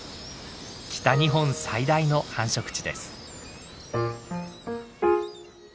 北日本最大の繁殖地です。